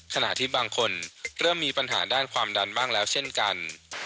ขณะที่บางคนเริ่มมีปัญหาด้านความดันบ้างแล้วเช่นกัน